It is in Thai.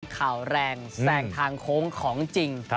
ข่าวแรงแสงทางโค้งของจริง